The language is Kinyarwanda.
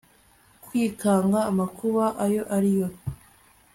kwikanga amakuba ayo ari yo